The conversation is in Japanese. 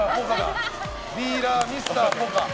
ディーラー、ミスター・ポカ。